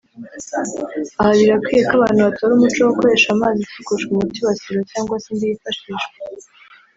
Aha birakwiye ko abantu batora umuco wo gukoresha amazi asukujwe umuti wa siro cyangwa se indi yifashishwa